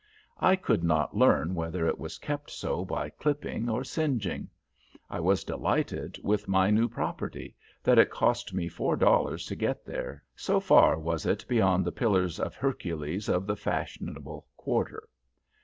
I could not learn whether it was kept so by clipping or singeing. I was delighted with my new property, but it cost me four dollars to get there, so far was it beyond the Pillars of Hercules of the fashionable quarter.